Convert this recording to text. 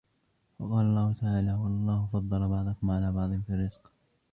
وَقَالَ اللَّهُ تَعَالَى وَاَللَّهُ فَضَّلَ بَعْضَكُمْ عَلَى بَعْضٍ فِي الرِّزْقِ